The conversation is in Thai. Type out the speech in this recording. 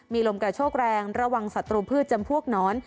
มีลมกระโชกแรงระวังศัตรูพืชจำพวกหนอน